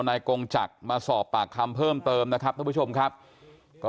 นายกงจักรมาสอบปากคำเพิ่มเติมนะครับท่านผู้ชมครับก็